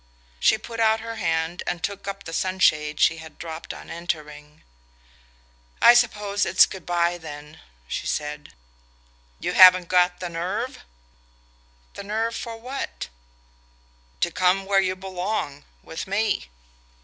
She put out her hand and took up the sunshade she had dropped on entering. "I suppose it's good bye then," she said. "You haven't got the nerve?" "The nerve for what?" "To come where you belong: with me."